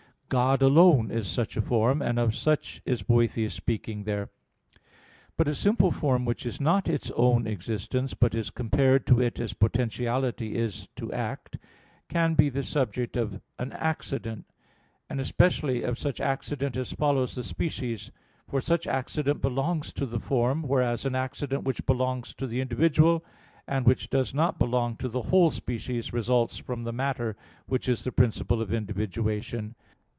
God alone is such a form: and of such is Boethius speaking there. But a simple form which is not its own existence, but is compared to it as potentiality is to act, can be the subject of accident; and especially of such accident as follows the species: for such accident belongs to the form whereas an accident which belongs to the individual, and which does not belong to the whole species, results from the matter, which is the principle of individuation.